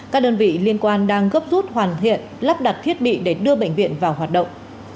các đơn vị liên quan đang gấp rút hoàn thiện lắp đặt thiết bị để đưa bệnh viện vào hoạt động